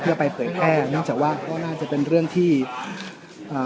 เพื่อไปเผยแพร่เนื่องจากว่าก็น่าจะเป็นเรื่องที่อ่า